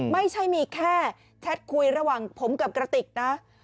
ไม่ใช่มีแค่แชทคุยระหว่างผมกับกระติกนะ